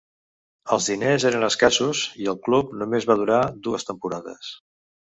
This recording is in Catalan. Els diners eren escassos i el club només va durar dues temporades.